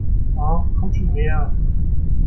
Och, komm schon her!